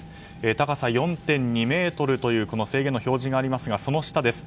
高さ４．２ｍという制限の表示がありますがその下です。